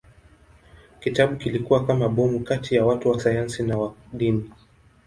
Kitabu kilikuwa kama bomu kati ya watu wa sayansi na wa dini.